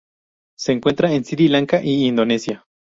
Se encuentra en Sri Lanka y Indonesia.